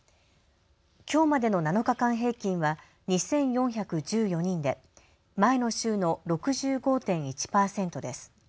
きょうまでの７日間平均は２４１４人で前の週の６５．１％です。